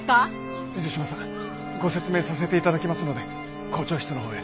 水島さんご説明させて頂きますので校長室の方へ。